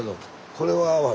これは会わん。